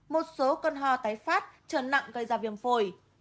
một số cơn ho tái phát trở nặng gây ra viêm phổi